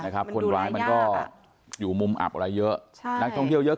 คนร้ายมันก็อยู่มุมอับอะไรเยอะใช่นักท่องเที่ยวเยอะ